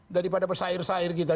daripada pesair sair kita